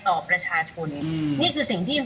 ต่อประชาชนนี่คือสิ่งที่